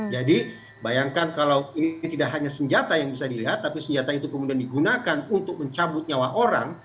jadi bayangkan kalau ini tidak hanya senjata yang bisa dilihat tapi senjata itu kemudian digunakan untuk mencabut nyawa orang